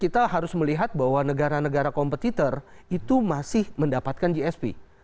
kita harus melihat bahwa negara negara kompetitor itu masih mendapatkan gsp